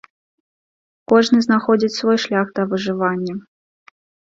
Кожны знаходзіць свой шлях да выжывання.